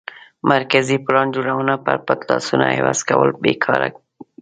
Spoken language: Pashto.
مرکزي پلان جوړونه پر پټ لاسونو عوض کول بې ګټه کار و